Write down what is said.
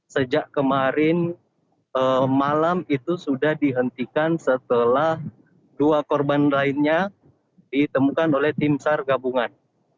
sejak kemarin malam itu sudah dihentikan setelah dua korban lainnya ditemukan oleh tim sar gabungan